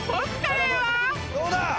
どうだ！